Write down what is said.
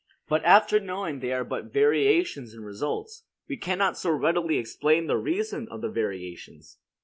But after knowing they are but variations in results, we cannot so readily explain the reason of the variations.